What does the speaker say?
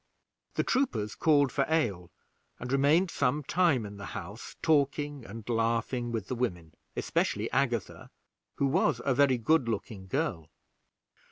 The troopers called for ale, and remained some time in the house, talking and laughing with the women, especially Agatha, who was a very good looking girl.